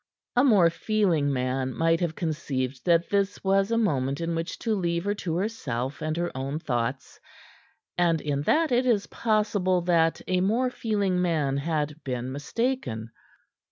A more feeling man might have conceived that this was a moment in which to leave her to herself and her own thoughts, and in that it is possible that a more feeling man had been mistaken.